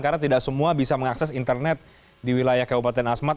karena tidak semua bisa mengakses internet di wilayah kabupaten asmat